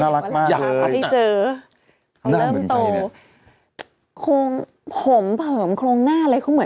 น่ารักมากเลยทางข้าวได้เจอ